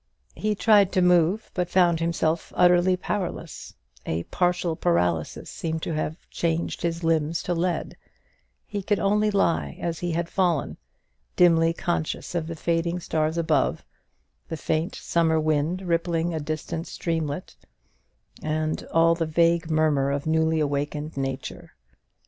He tried to move, but found himself utterly powerless, a partial paralysis seemed to have changed his limbs to lead; he could only lie as he had fallen; dimly conscious of the fading stars above, the faint summer wind rippling a distant streamlet, and all the vague murmur of newly awakened nature.